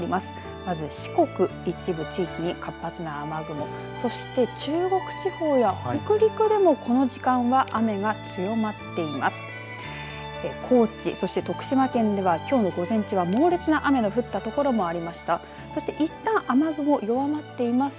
まず四国一部地域に活発な雨雲そして中国地方や北陸でもこの時間は雨が強まっています。